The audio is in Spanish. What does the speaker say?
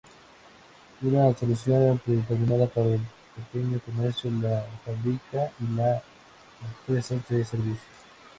Una solución predeterminada para el pequeño comercio, la fabricación y las empresas de servicios.